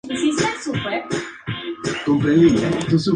Se multiplica por semillas o por tallos.